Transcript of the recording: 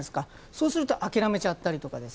そうすると諦めちゃったりとか。